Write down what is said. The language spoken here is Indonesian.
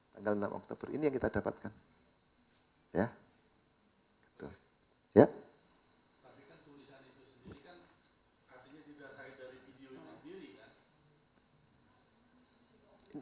tanggal enam oktober ini yang kita dapatkan